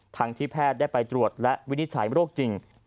ที่แพทย์ได้ไปตรวจและวินิจฉัยโรคจริง